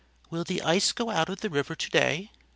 "Will the ice go out of the river to day?"